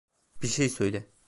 Bir şey söyle.